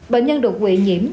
bệnh nhân đột quỵ nhiễm